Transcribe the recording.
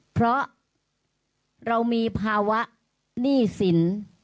เพราะเรามีภาวะหนี้สิน